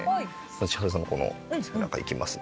千春さんのこの背中いきますね。